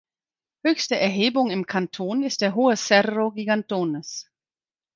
Höchste Erhebung im Kanton ist der hohe Cerro Gigantones.